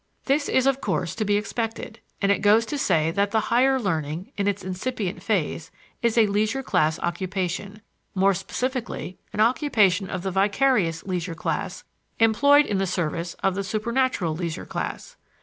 This is of course to be expected, and it goes to say that the higher learning, in its incipient phase, is a leisure class occupation more specifically an occupation of the vicarious leisure class employed in the service of the supernatural leisure class.